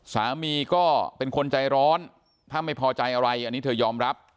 สามีก็เป็นคนใจร้อนถ้าไม่พอใจอะไรอันนี้เธอยอมรับ